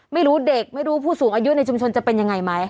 ไม่รู้เด็กไม่รู้ผู้สูงอายุในชุมชนจะเป็นยังไงไหม